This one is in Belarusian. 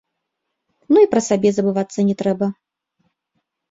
Ну і пра сабе забывацца не трэба.